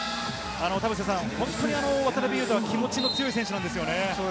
本当に渡邊雄太は気持ちの強い選手なんですよね。